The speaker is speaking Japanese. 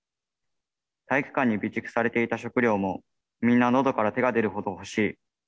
体育館に備蓄されていた食料も、みんなのどから手が出るほど欲しい。